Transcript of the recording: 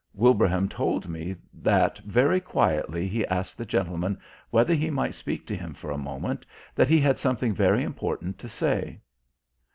Wilbraham told me that very quietly he asked the gentleman whether he might speak to him for a moment, that he had something very important to say.